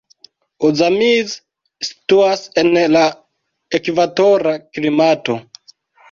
Ozamiz situas en la ekvatora klimato.